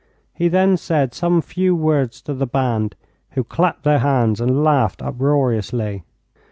He then said some few words to the band, who clapped their hands and laughed uproariously.